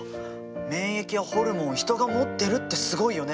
免疫やホルモンを人が持ってるってすごいよね！